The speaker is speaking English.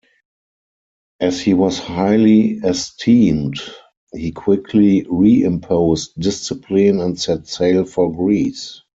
As he was highly esteemed, he quickly reimposed discipline and set sail for Greece.